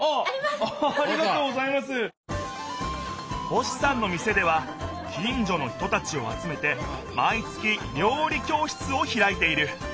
星さんの店では近じょの人たちをあつめてまい月料理教室をひらいている。